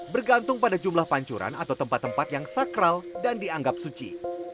bergantung pada jumlah pancuran atau tempat tempat yang sakral dan dianggap suci